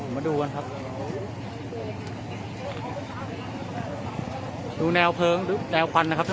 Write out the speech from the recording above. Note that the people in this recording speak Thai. มาดูกันครับ